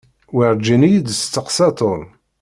Werǧin iyi-d-isteqsa Tom.